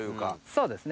そうですね。